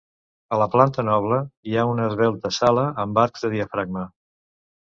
A la planta noble hi ha una esvelta sala amb arcs de diafragma.